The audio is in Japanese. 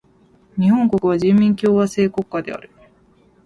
日本国は人民共和制国家である。